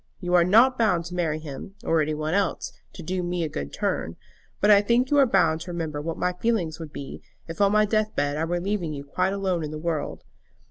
You are not bound to marry him, or any one else, to do me a good turn; but I think you are bound to remember what my feelings would be if on my death bed I were leaving you quite alone in the world.